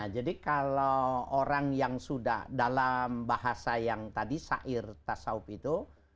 jadi kalau orang yang sudah dalam bahasa yang tadi sa'ir tasawuf itu